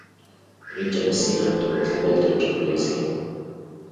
Richard C. Hunter was elected to replace him.